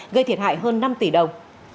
gây thiệt hại hơn năm tỷ đồng